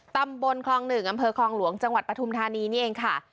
ตำบลคลอง๑อำเภอคลองหลวงจังหวัดปฐุมธานีนี่เองค่ะ